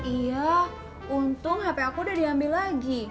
iya untung hp aku udah diambil lagi